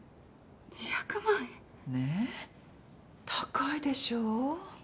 ねぇ高いでしょ？